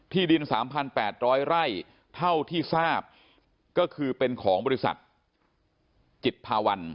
ดิน๓๘๐๐ไร่เท่าที่ทราบก็คือเป็นของบริษัทจิตภาวัน